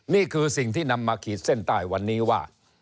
นี่คือสิ่งที่นำมาขีดเส้นใต้วันนี้ว่า